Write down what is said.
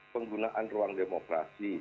penggunaan ruang demokrasi